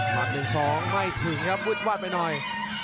ต่อยมัด๑๒ไม่ถึงครับวึดวาดไปหน่อย